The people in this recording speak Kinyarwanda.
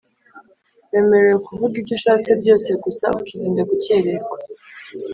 wemerewe kuvuga ibyo ushatse byose gusa ukirinda gukererwa